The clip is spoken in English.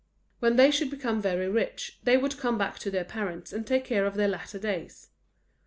When they should become very rich, they would come back to their parents and take care of their latter days.